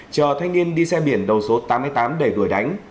chờ thanh niên đi xe biển đầu số tám mươi tám đẩy đuổi đánh